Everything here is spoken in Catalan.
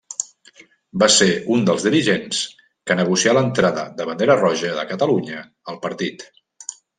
Va ser un dels dirigents que negocià l'entrada de Bandera Roja de Catalunya al partit.